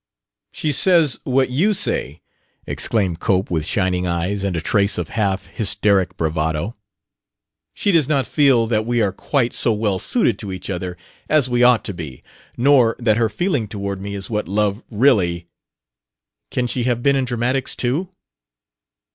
"She says what you say!" exclaimed Cope with shining eyes and a trace of half hysteric bravado. "She does not feel that we are quite so well suited to each other as we ought to be, nor that her feeling toward me is what love really... Can she have been in dramatics too!"